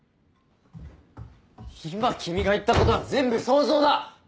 今君が言ったことは全部想像だ！